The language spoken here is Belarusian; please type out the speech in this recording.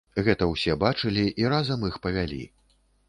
Гэта ўсе бачылі, і разам іх павялі.